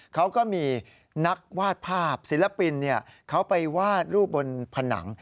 เขาก็มีนักวาดภาพศิลปินเขาไปวาดรูปบนผนัง